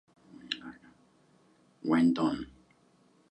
It was later contested by the Six Nations and the Shawnee.